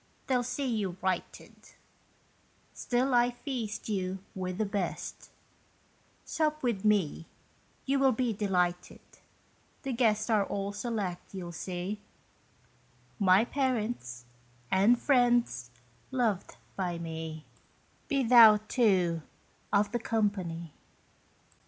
they'll see you righted, Still I will feast you with the best; Sup with me, you will be delighted; The guests are all select, you'll see, My parents, and friends loved by me; Be thou, too, of the company."